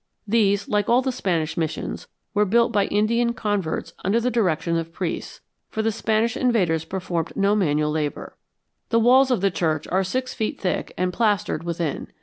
These, like all the Spanish missions, were built by Indian converts under the direction of priests, for the Spanish invaders performed no manual labor. The walls of the church are six feet thick and plastered within.